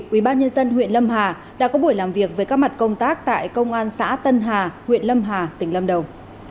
ubnd huyện lâm hà đã có buổi làm việc với các mặt công tác tại công an xã tân hà huyện lâm hà tỉnh lâm đồng